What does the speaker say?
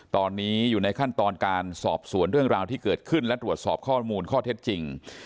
ตอนนี้อยู่ในขั้นตอนการสอบสวนเรื่องราวที่เกิดขึ้นและตรวจสอบข้อมูลข้อเท็จจริง